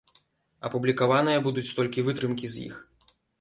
Апублікаваныя будуць толькі вытрымкі з іх.